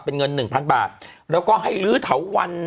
เป็นเงิน๑๐๐๐บาทแล้วก็ให้ลื้อเถาวัน